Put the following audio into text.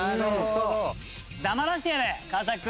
黙らせてやれ川君。